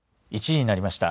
１時になりました。